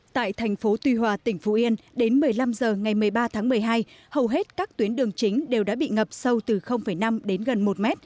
tại thành phố tuy hòa tỉnh phú yên đến một mươi năm h ngày một mươi ba tháng một mươi hai hầu hết các tuyến đường chính đều đã bị ngập sâu từ năm đến gần một m